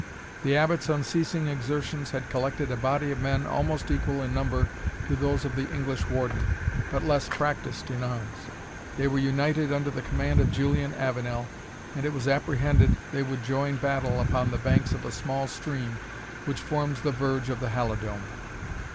The Abbot's unceasing exertions had collected a body of men almost equal in number to those of the English Warden, but less practised in arms. They were united under the command of Julian Avenel, and it was apprehended they would join battle upon the banks of a small stream which forms the verge of the Halidome.